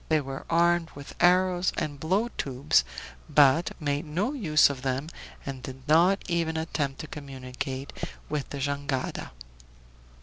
They were armed with arrows and blow tubes, but made no use of them, and did not even attempt to communicate with the jangada.